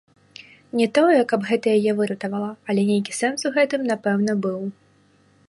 Не тое, каб гэта яе выратавала, але нейкі сэнс у гэтым, напэўна, быў.